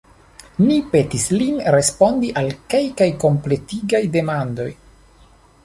Ni petis lin respondi al kelkaj kompletigaj demandoj.